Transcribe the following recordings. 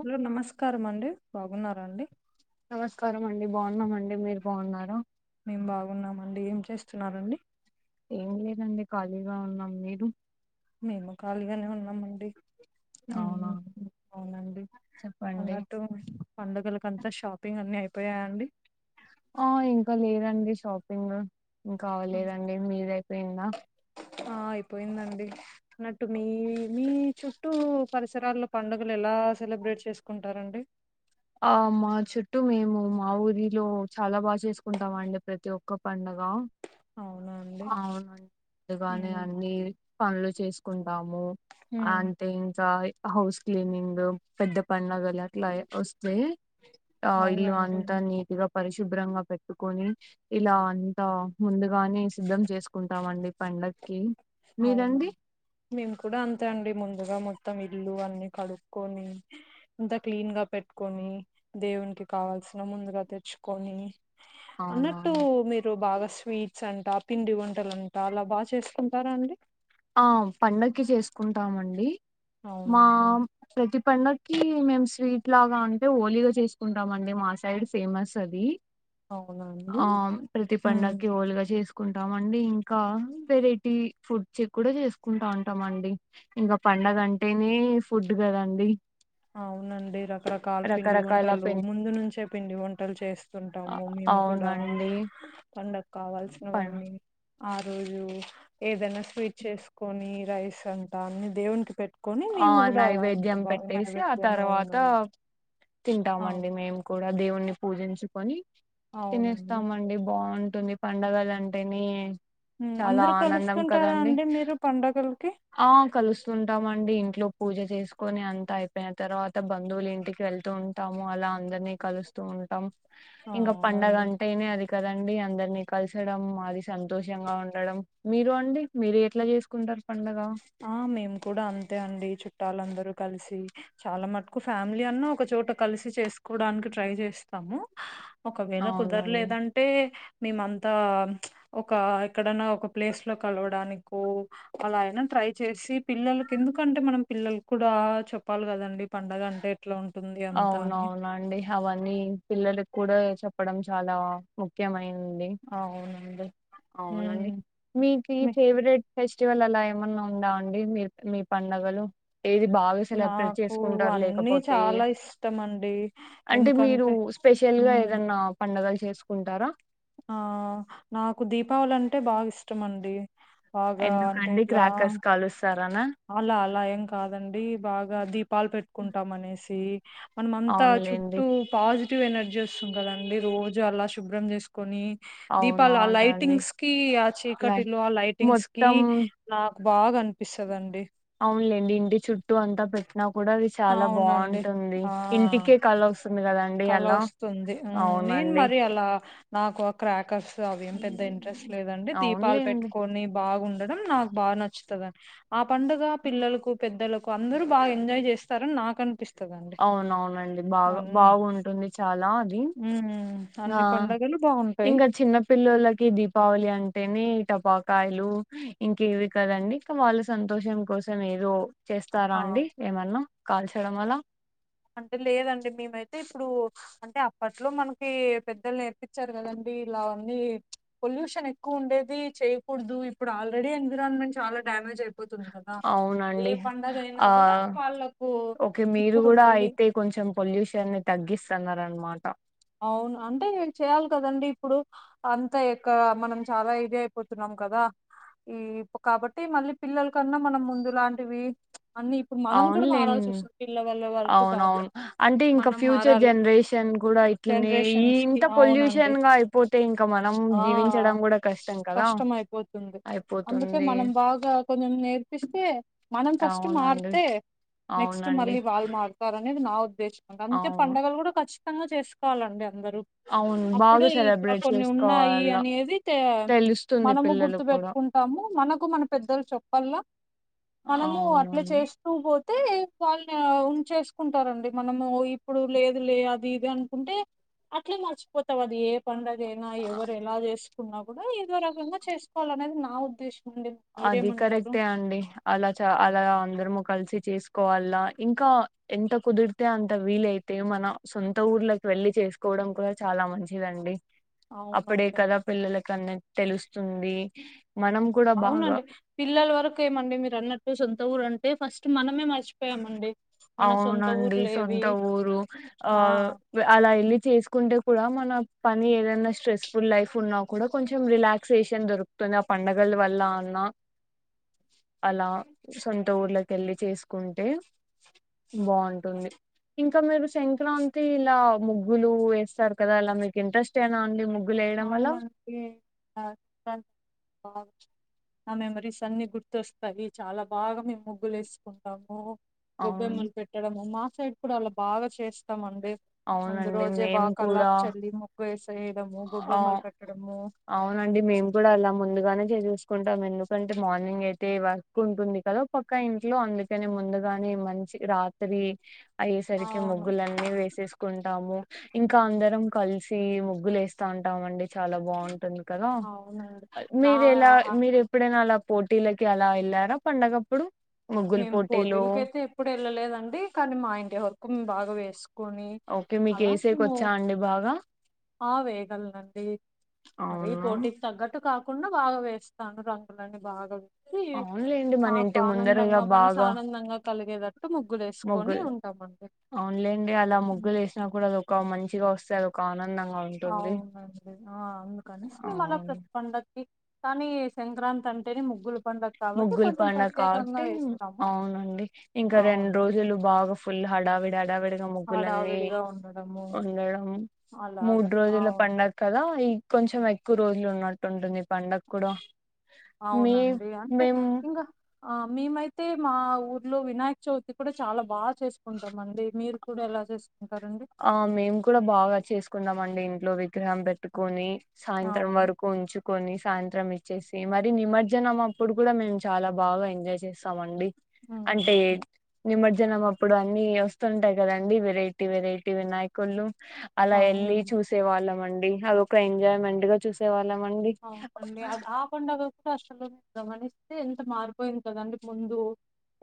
Hello నమస్కారం అండి బాగున్నాండి నమస్కారం అండి బాగున్నామ అండి మీరు బాగున్నార మేం బాగున్నామండి ఏం చేస్తున్నారండి ఏం లేదండి ఖాళీగా ఉన్నాం మీరు మేము ఖాళీగానే ఉన్నామండి అవున ఉమ్, అవునండి అన్నట్టు పండుగలకుంతా షాపింగ్ అన్ని అయిపో పోయా అండి ఆ ఇంకా లేదండి షాపింగ్ ఇంకా అవలేదు అండి మీది అయిపోయిందా ఆ అయిపోయిందండి అన్నట్టు మీ మీ చుట్టూ చుట్టటు పరిసరాల్లో పండుగలు ఎలా సెలబ్రేట్ చేసుకుంటారండి ఆ మా చుట్టూ మేము మా ఊరిలో చాలా బాగా చేసుకుంటాం అండి ప్రతి ఒక్క పడుగ హలో అవునా అండి అవును ముందుగానే ఉమ్, అన్ని పనులు చేసుకుంటాము ఆ ఉమ్, అంటే ఇంకా హౌస్ క్లీనింగ్ పెద్ద పండుగలు అట్లా వస్తే ఆ ఇల్లు అవునండి అంత నీటిగా పరిశుభ్రంగా పెట్టుకొని ఇలా అంతా ముందుగానే సిద్ధం చేసుకుంటామండి పండక్కి అవును మీరండి మేము కూడా అంతే అండి ముందుగా మొత్తం ఇల్లు అన్ని కడుక్కొని అంతా క్లీన్ గా పెట్టుకొని దేవునికి కావాల్సిన ముందుగా తెచ్చుకొని అవునా అన్నట్టు మీరు బాగా స్వీట్స్ అంట పిండి వంటలు అంట అలా బాగా చేసు కుంటారా అండి ఆ పండగకి చేసుకుంటామండి మా అవునా ప్రతి పండక్కి కి మేం స్వీట్ లాగా అంటే ఓలీగా చేసుకుంటాం అండి మా సైడ్ ఫేమస్ అది అవునా అండి అ ప్రతి ఉమ్ పండక్కి ఒలిగ చేసు కుంటాం అండి ఇంకా వెరైటీ ఫుడ్ చెక్ కూడా చేసుకుంటా ఉంటాం అండి ఇంకా పండగ అంటేనే ఫుడ్ కదండి అవునండి రకరకాలు పిండి రకరకాల వంటలు పెన్ ముందు నుంచే పిండి వంటలు అ చేస్తుంటాము మేం కూడా అవునండి పండగ పన్ కావాల్సినవన్నీ ఆ రోజు ఏదన్న స్వీట్ చేసుకొని రైస్ అంటా అన్ని దేవునికి పెట్టు కొని ఆ మేము కూడా అంత నైవేద్యం బాగా పెట్టేసి ఆ నైవేద్యం తర్వాత అవునండి అవు తింటామండి మేము కూడా దేవుణ్ణి పూజించుకొని అవునండి తినేస్తామండి బాగుంటుంది పండగలు అంటేనే ఉమ్, చాలా అందరూ ఆనందం కలుస్తుంటారా కదండి అండి మీరు పండగలకి ఆ కలుస్తుంటాం అండి ఇంట్లో పూజ చేసుకుని అంత అయిపోయిన తర్వాత బంధువులు ఇంటికి వెళ్తూ ఉంటాము అలా అందరినీ కలుస్తూ ఉంటాం ఆ, ఇంకా పడుగ అవునండి అంటేనే అది కదండి అందరినీ కలసడం మాది సంతోషంగా ఉండడం మీరు అండి మీరు ఎట్లా చేసుకుంటారు పండగ ఆ మేము కూడా అం తే అండి చుట్టాలందరూ కలిసి చాలా మటుకు ఫ్యామిలీ అన్నా ఒకచోట కలిసి చేసుకోవడానికి ట్రై చేసినాము ఒకవేళ అవునండి కుదరలేదంటే మేమ అంతా ప్చ్ ఒక ఎక్కడన్నా ఒక ప్లేస్ లో కలవడానికో అలా అయినా ట్రై చేసి పిల్లలకి ఎందుకంటే మనం పిల్లలకి కూడా చెప్పాలి కదండి పండగ అంటే ఎట్లా ఉంటుంది అంతా అని అవునవునండి అవన్నీ పిల్లలకి కూడా చెప్ప చెప్పడం చాలా ముఖ్యమైన అవునండి ఉమ్, అవునండి మీకి మీ- ఫేవరెట్ ఫెస్టివల్ అలా ఏమన్నా ఉందా అండి మీ మీ పండగలో ఏది బాగా సెలబ్రేట్ నాకు చేసుకుంటారు అన్నీ లేకపోతే చాలా ఇష్టం అండి అంటే మీరు ఎందుకంటే స్పెషల్ గా ఉమ్, ఏదన్నా పండుగలు చేసుకుంటారా ఆ నాకు దీపావళి అంటే బాగా ఇష్టం అండి బాగా అంటే ఎందుకండి ఇట్లా క్రాకర్స్ కాలుస్తారనా అలా అలా ఏం కాదండి బాగా దీపాలు పెట్టుకుంటాం అనేసి మనం అంతా అవునులేండి చుట్టూ పాజిటివ్ ఎనర్జీ వస్తుంది కదండి రోజు అలా శుభ్రం చేసుకొని దీపాలు ఆ అవునవునండి లైటింగ్స్ కి ఆ లై చీకటిలో ఆ లైటింగ్స్ కి మొత్తం నాకు బాగా అనిపిస్తుంది కదండి అవున్లేండి ఇంటి చుట్టూ అంతా పెట్టినా కూడా అది చాలా అవునండి బాగుంటుంది ఇంటికే కల వస్తుంది కదండి కలా అలా వస్తుంది నేను అవునండి మరి అలా నాకు క్రాకర్స్ అవేం పెద్ద ఇంట్రెస్ట్ లేదండి దీపాలు అవునులేండి పెట్టుకొని బాగు నాకు బాగా నచ్చుదని ఆ పండుగ పిల్లలకు పెద్ద అందరు బాగా ఎంజాయ్ చేస్తారని నాకు అనిపిస్తుంది అవునవునండి బాగా బాగుంటుంది చాలా అది ఉమ్ ఆ అన్ని పండగలు బాగుంటాయి ఇంగా చిన్న పిల్లులకి దీపావళి అంటే ఎన్ని టపాకాయలు ఇంకేవి కదండి ఇంకా వాళ్ళ సంతోషం కోసం ఏదో చేస్తారా ఆ అండి ఏమన్నా కాల్చడం అలా అంటే లేదండి మేమైతే ఇప్పుడు అంటే అప్పట్లో మనకి పెద్దలు నేర్పించారు కదండి మీర్ లావన్నీ పొల్యూషన్ ఎక్కువ ఉండేది చేయకూడదు ఇప్పుడు ఆల్రెడీ ఎన్విరాన్మెంట్ చాలా డ్యామేజ్ అయిపోంది పోతుంది కదా ఏ అవునండి పండుగ అయినా ఆ గూడా వాళ్ళలకు ఓకే మీరు ఇప్పుడు కూడా మళ్ళీ అయితే కొంచెం పొల్యూషన్ తగ్గిస్త అన్నమాట అవును అంటేం చేయాలి కదండి ఇప్పుడు అంతా ఇక్కడ మనం చాలా ఇది అయిపోతున్నాం కదా ఈ కాబట్టి మళ్ళీ పిల్లల కన్నా మనం ముందు లాంటివి అన్ని ఇప్పుడు మనం కూడా మారాల్సి అవునులేండి వస్తుంది పిల్లల వల్ల అవునవును అంటే ఇంకా ఫ్యూచర్ మారాలి జనరేషన్ గూడా ఇప్పుడా ఇట్లనే ఈ జనరేషన్స్ కి ఇంత అవునండి పొల్యూషన్ గా అయిపోతే ఇంకా మనం ఆ జీవించడం గూడా కష్టం కదా కష్టం అయిపోతుంది అందుకే అయిపోతుంది మనం బాగా కొంచెం నేర్పిస్తే మనం ఫస్ట్ మార్ అవునండి తే అవునండి వాళ్ళు మారతారనేది నా ఉద్దేశం అందుకే అవును పండుగలు గూడా ఖచ్చితంగా చేసుకోవాలండి అందరూ అవును బాగా అప్పుడే ఇట్లా సెలబ్రేట్ కొన్ని ఉన్నాయి చేసుకోవాల అనేది తే తెలుస్తుంది మనము పిల్లలు గుర్తు కూడా పెట్టుకుంటాము మనకు మన పెద్దలు చెప్పలా మనము అట్లా అవునవును చేస్తూ పో తే వాళ్ళు ఉంచేసుకుంటారండి మనము ఇప్పుడు లేదు లే అది ఇది ఉంటే అట్లే మర్చిపోతావు అది ఏ పండుగ అయినా అ- ఎవరు ఎలా జేసు కున్నా గూడా ఏదో రకంగా చేసుకోవాలినేది నా ఉద్దేశం అండి అది మీరేమంటారు కరెక్టే అండి అలా చ అలా అందరము కలిసి చేసుకోవాల ఇంకా ఎంత కుదిరితే అంత వీలైతే మన సొంత ఊర్లకి వెళ్ళి చేసుకోవడం కూడా చాలా మంచిదండి అవునా అప్పుడే కదా పిల్లలకన్ని తెలుస్తుంది మనం కూడా బాగా అండి పిల్లల వరకు ఏమండి మీరు అన్నట్టు సొంత ఊరు అంటే ఫస్ట్ మనమే మర్చిపోయామండి మన సొంత అవునండి ఊర్లు సొంత ఏవి ఊరు ఆ అలా యెళ్ళి చేసుకుంటే కూడా మన పని ఏదైనా ట్రేస్ ఫుల్ లైఫ్ ఉన్నా కూడా కొంచెం రిలాక్సేషన్ దొరుకుతుంది ఆ పండగల వల్ల అన్నా [inaudible] అలా సొంత ఊర్ళ కెళ్ళి చేసు కుంటే బాగుంటుంది ఇంకా మీరు సంక్రాంతి ఇలా ముగ్గులు వేస్తారు కదా ఇలా మీకు ఇంట్రెస్ట్ ఏనా అండి ముగ్గు అవునండి [unintelligible] ఆ మెమరీస్ అన్ని గుర్తొస్తాయి చాలా బాగా మేము ముగ్గులు వేసుకుంటాము అవును గొబ్బెమ్మలు పెట్టడము మా సైడ్ కూడా అలా బాగా చేస్తామండి ముందు అవునండి రోజే మేము బాగా కూడా కల్లాపు చల్లి ముగ్గు వేసేయడము ఆ గొబ్బెమ్మలు పెట్టడము అవునండి మేము గూడా అలా ముందుగానే జేసేసు కుంటాం ఎందుకంటే మార్నింగ్ అయితే వర్క్ ఉంటుంది కదా పక్క ఇంట్లో అందుకని ముందుగాని మంచి రాత్రి అయ్యేసరికి అవును ముగ్గులన్నీ వేసేసుకుంటాము ఇంకా అందరం కలిసి ముగ్గులు యేస్తా ఉంటామండి చాలా బాగుంటుంది కదా అవునండి నా మీరు ఎలా మీరు ఎప్పుడైనా అలా పోటీలకి అలా యెళ్ళారా పండగప్పుడు ముగ్గులు మేము పోటీలు పోటీలకైతే ఎప్పుడు వెళ్ళలేదండి కానీ మా ఇంటి వరకు మేము బాగా వేసు కొని ఓకే మీకు అలా వేసేకి మేము వచ్చా అండి బాగా ఆ వేయగలనండి మరి అవును పోటీకి తగ్గట్టు కాక కుండా బాగా వేస్తాను రంగులని బాగా రుద్ది అవునులేండి మన మాకు ఇంటి ఆనందంగా ముందరగా మనసు బాగా ఆనందంగా కలిగేటట్టు ముగ్గు లేసుకొని ముగ్గులు ఉంటామంతే అవునులేండి అలా ముగ్గులు యేసినా కూడా అది ఒక మంచిగా వస్తది ఒక ఆనంద అవునండి ఆ అందుకనేసి మేమ్ అలా అవును ప్రతిపండకి కానీ సంక్రాంతి అంటేనె. ముగ్గులు ముగ్గుల్ పండుగ కాబట్టి ఏస్తాము. అవునండి ఇంక రెండు అవును రోజులు బాగ ఫుల్ హడావి కొత్తగా ముగ్గులన్నీ హడావిడిగా ఉండడము వండడం మూడ్ అలాగా రోజుల అవును. పండుగ కదా ఈ కొంచెం ఎక్కువ రోజులు ఉన్నట్టుంటుంది పండగ కూడ మీ ఇగ అంతే మేము ఇంగో ఆ మేమైతే మా ఊర్లో వినాయక్ చవితి కూడ చాల బాగా చేసుకుంటాం అండి మీరు కూడా ఎలా చేసు ఆ మేము కూడ బాగా చేసుకుందామండి ఇంట్లో విగ్రహం పెట్టుకొని సాయంత్రం అవునా వరకు ఉంచుకొని సాయంత్రం ఇచ్చేసి మరి నిమర్జనం అప్పుడు కూడ మేము చాల బాగ ఎంజాయ్ చేస్తామ అండి హ్మ్ అంటే నిమర్జనం అప్పుడు అన్ని వస్తుంటాయి కదండి వెరైటీ వెరైటీ టి వినాయకుల్లు అలా వెళ్ళి అవునండి. చూసే వాళ్ళం అండి అదిొ ఒక ఎంజాయ్మెంట్ గా చూసే వాళ్ళ అవునండి అ ఆ పండగ కూడా అసలుమనిస్త అతే ఎంత మారిపోయింది కదండి ముందు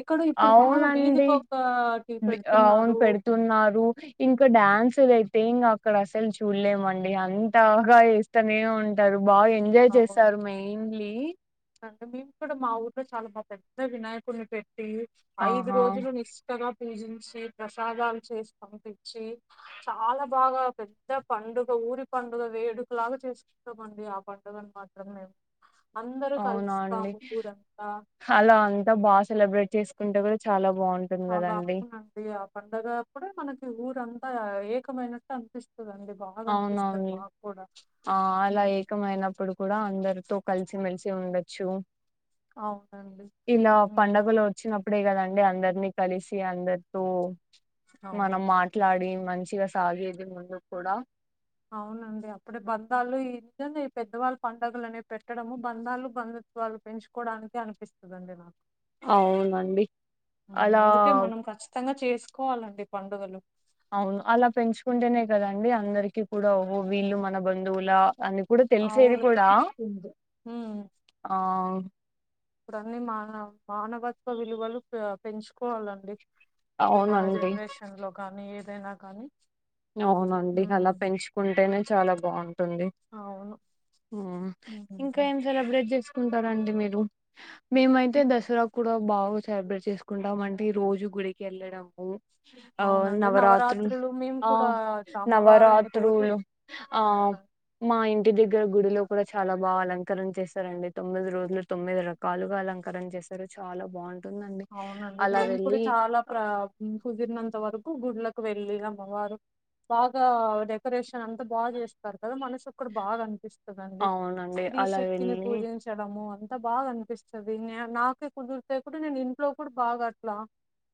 ఎక్కడో ఇప్పుడు బాగా అవునండి వీధికొకటి అవును పెడుతున్నారు. పెడుతున్నారు ఇంక డ్యాన్స్ వే తేంగా అక్కడ అసలు చూడ్లేమండి అంతగా వేస్తనే ఉంటారు బాగాఎంజాయ్ చేస్తారు మెయిన్లీ మేమ్ కూడ మా ఊర్లో చాల బా పెద్ద వినాయకుడ్ని పెట్టి ఐదు ఆహా రోజులు నిష్టగా పూజించి ప్రసాదాలు చేసి పనిపించి చాల బాగ పెద్ద పండుగ ఊరి పండుగ వేడుకలాగ చేసుకుంటామండి ఆ పండుగని మాత్రం మేము అం అవునా అండి అలా అంత బాగ సెలబ్రేట్ చేసుకుంటే కూడ చాలా బాగుంటుంది అలా కదండి అవునండి ఆ పండగప్పుడు మనకి ఊరంతా ఏకమైనట్టు అనిపిస్తు అవున్ అవుని ఆ అలా ఉమ్, ఏకమైనప్పుడు కూడ అందరితో కలిసిమెలిసి ఉండొచ్చు అవునండి ఇలా ఉమ్ పండగలు వచ్చినప్ అప్పుడే కదండి అందరినీ కలిసి అందరితో అవును మనం మాట్లాడి మంచిగ సాగేది ముందు కూడా అవునండి అప్పుడే బంధాలు ఇ పెద్దవాళ్ళు పండుగలనేవి పెట్టడము బంధాలు బందు త్వాలు పెంచుకోవడానికె అనిపిస్తదడి నాకు అవునండి అలా అందుకే మనం ఖచ్చితంగా చేసుకోవాలండి పండుగలు అవును అల పెంచుకుంటేనే కదండి అందరికి కూడ ఓహో వీళ్ళు మన బంధువుల అని కూడ తెలిసేది అవును. కూడ తెలుస్తుంది. ఆ ఇప్పుడన్ని మాన మానవత్వ విలువలు పెంచుకోవాలండి ఇప్పుడు మన అవునండి జెన్రేషన్ లో కానీ ఏదైన కానీ అవునండి అల హ్మ్. పెంచుకుంటేనే చాల బావుంటుంది అవును. హుహుహు. ఇంకేం సెలబ్రేట్ చేసు కుంటారండి మీరు మేమయితే దసరా కూడ బాగ సెలబ్రేట్ చేసుకుంటాం అండి రోజు గుడికి వెళ్ళడము ఆ అవునండి. నవరాత్రులు మేము అ కూడా అమ్మవారిని రోజు నవరాత్రులు ఆ అవునండి. మ మా ఇంటి దెగ్గర గుడిలో కూడ చాలా బాగ అలంకారం చేశారండి తొమ్మిది రోజులు తొమ్మిది రకాలుగా అలంకర ణ చేశరు చాల బా అవునండి నేను కూడ చాలా ప్ర కుదిరినంత వర కు గుళ్లకు వెళ్లి అమ్మవారు బాగా డెకరేషన్ అంతా బాగ చేస్తారు కదా మనసక్కడ బా అనిపిస్త స్తుంది అవునండి స్త్రీ అలా శక్తిని వెళ్ళి పూజించడము అంత బాగ అనిపిస్తది న నాకే కుదిరితే కూడా నేను ఇంట్లో కూడ బాగ అట్లా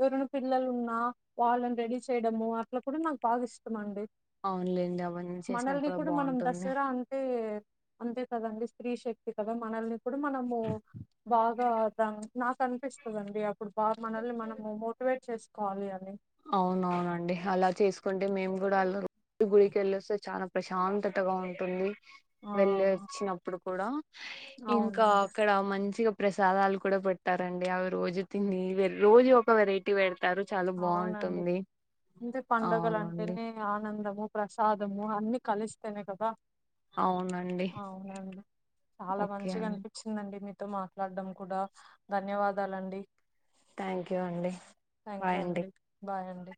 ఎవరైన పిల్లలు ఉన్నా వాళ్ళని రెడీ చేయడము అట్ల కూడ నాకు బాగ ఇష్టం అండి అవునులేండి అవన్నీ చేసినా మనల్ని కూడా కూడ మనం బాగుంటుంది దసరా అంటే అంతే కదండి స్త్రీ శక్తి కదా మనల్ని కూడ మనము బాగా నాకు అనిపిస్తదండి అప్పుడు బా మనల్ని మనము మోటివేట్ చేసుకోవాలి అని అవునవునండి అలా చేసుకుంటే మేము కూడ గుడికెళ్ళొస్తే చాన ప్రశాంతతగా ఉంటుంది, ఆ వెళ్ళ వచ్చినప్పుడు కూడా ఇంకా అవునండి అక్కడ మంచిగా ప్రసాదాలు కూడా పెడ్తారండి, అవి రోజు తినీ వీరు రోజు ఒక వెరైటీ వేడ్ అవునండి అంతే అవునండి పండగలంటేనే ఆనందము. ప్రసాదము అన్ని కలిస్తేనే కదా. అవునండి అవునండి చాలా ఓకే మంచిగా అండి అనిపించిందండి, మిక్ మీతో మాట్లాడం కూడా ధన్యవాదాలండి. థాంక్యూ అండి. థ్యాంక్యూ అండి, బాయ్ అండి.